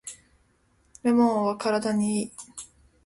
レモンは体にいい